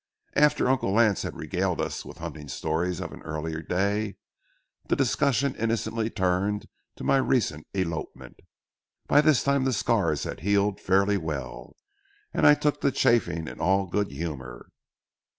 After Uncle Lance had regaled us with hunting stories of an early day, the discussion innocently turned to my recent elopement. By this time the scars had healed fairly well, and I took the chaffing in all good humor.